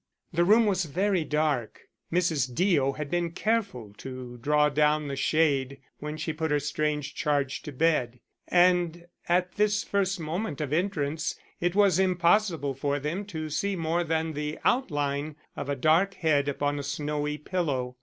The room was very dark. Mrs. Deo had been careful to draw down the shade when she put her strange charge to bed, and at this first moment of entrance it was impossible for them to see more than the outline of a dark head upon a snowy pillow.